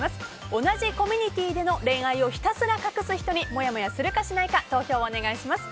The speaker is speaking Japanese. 同じコミュニティー内での恋愛をひたすら隠す人にもやもやするかしないか投票をお願いします。